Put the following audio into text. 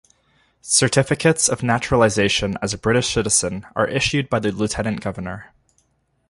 Certificates of naturalisation as a British citizen are issued by the Lieutenant Governor.